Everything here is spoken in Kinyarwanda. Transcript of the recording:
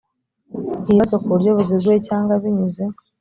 ibibazo ku buryo buziguye cyangwa binyuze